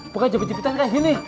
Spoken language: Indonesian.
pokoknya cepet cepetan kayak gini